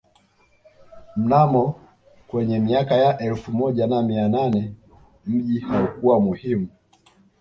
Mnamo kwenye mika ya elfu moja na mia nane mji haukuwa muhimu